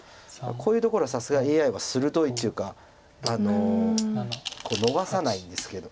こういうところはさすがＡＩは鋭いっていうか逃さないんですけど。